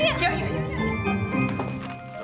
yaudah yuk yuk yuk